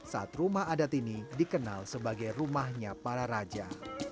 saat rumah adat ini dikenal sebagai rumahnya para raja